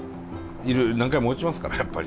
何回も落ちますからやっぱり。